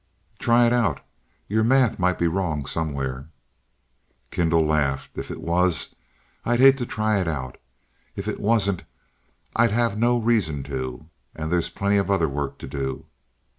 '" "Try it out, your math might be wrong somewhere." Kendall laughed. "If it was I'd hate to try it out. If it wasn't I'd have no reason to. And there's plenty of other work to do.